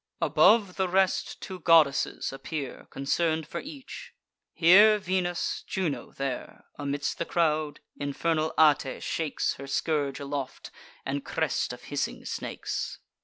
Above the rest, two goddesses appear Concern'd for each: here Venus, Juno there. Amidst the crowd, infernal Ate shakes Her scourge aloft, and crest of hissing snakes.